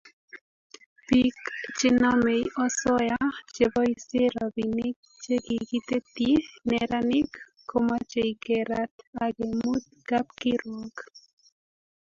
Bik chenomei osoya cheboisie robinik che kikitetyi neranik komochei kerat agemut kapkirwok